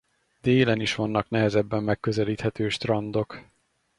Délen is vannak nehezebben megközelíthető strandok.